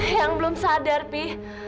ayang belum sadar pi